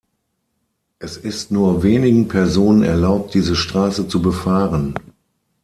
Es ist nur wenigen Personen erlaubt diese Straße zu befahren.